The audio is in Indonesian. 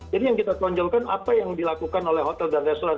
jadi yang kita tonjolkan apa yang dilakukan oleh hotel dan restoran